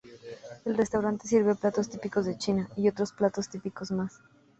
El restaurante sirve platos típicos de China, y otros platos típicos más.